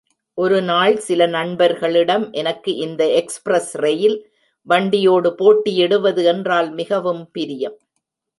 ஒரு நாள் சில நண்பர்களிடம், எனக்கு இந்த எக்ஸ்பிரஸ் ரயில் வண்டியோடு போட்டியிடுவது என்றால் மிகவும் பிரியம்.